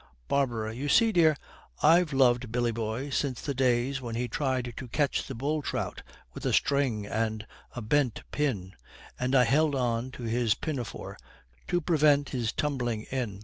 BARBARA. 'You see, dear, I've loved Billy boy since the days when he tried to catch the bull trout with a string and a bent pin, and I held on to his pinafore to prevent his tumbling in.